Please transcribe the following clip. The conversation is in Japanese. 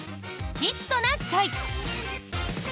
「ヒットな会」！